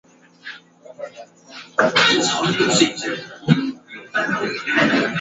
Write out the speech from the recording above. Sehemu muhimu ya maisha ya kila siku ya kila Mzanzibari.